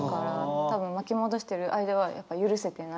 多分巻き戻してる間は許せてない。